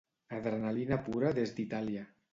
Adrenalina pura des d'Itàlia